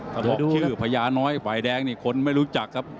ตลกชื่อพญาน้อยไบแดงนี่คนไม่รู้จักครับ